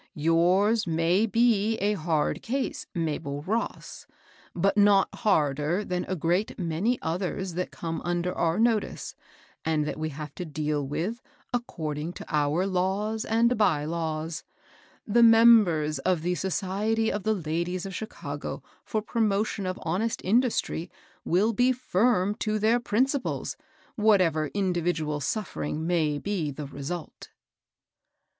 Yours may be a hard case, Mabel Ross ; but not harder than a great many others that come under our no tice, and that we have to deal with according to our laws and by laws. The members of the ' Society of the Ladies of Chicago for Promotion of Hon est Industry ' will be firm to their principles^ whatever individual suffering may be the result."